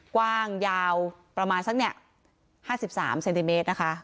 กว้างยาวประมาณสัก๕๓เซนติเมตรนะคะ